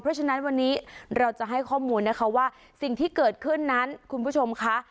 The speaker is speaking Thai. เพราะฉะนั้นวันนี้เราจะให้ข้อมูลนะคะว่าสิ่งที่เกิดขึ้นนั้นคุณผู้ชมค่ะ